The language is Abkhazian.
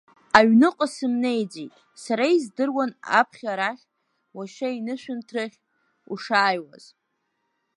Аҩныҟа сымнеиӡеит, сара издыруан аԥхьа арахь, уашьа инышәынҭрахь, ушааиуаз.